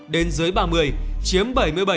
đến dưới ba mươi chiếm bảy mươi bảy chín mươi năm